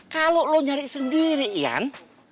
kalau lo nyari sendiri ian